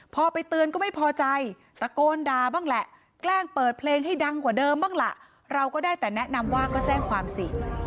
พอไปเตือนก็ไม่พอใจตะโกนด่าบ้างแหละแกล้งเปิดเพลงให้ดังกว่าเดิมบ้างล่ะเราก็ได้แต่แนะนำว่าก็แจ้งความสิ